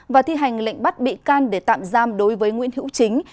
và thi hành lệnh bắt bị can để tạm giam đối với nguyễn hữu chính